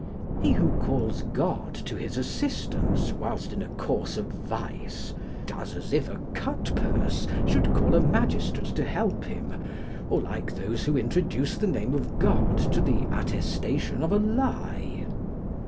He who calls God to his assistance whilst in a course of vice, does as if a cut purse should call a magistrate to help him, or like those who introduce the name of God to the attestation of a lie.